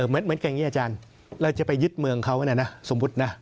เหมือนแบบนี้อาจารย์เราจะไปยึดเมืองเขานะสมมุตินะ